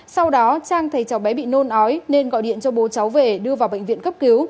sau đó trang thấy cháu bé bị nôn ói nên gọi điện cho bố cháu về đưa vào bệnh viện cấp cứu